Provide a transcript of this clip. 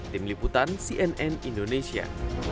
tim liputan cnn indonesia